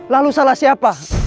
lalu salah siapa